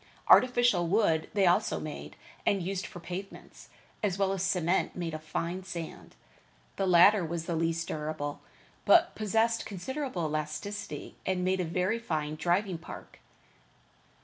Artificial wood they also made and used for pavements, as well as cement made of fine sand. The latter was the least durable, but possessed considerable elasticity and made a very fine driving park.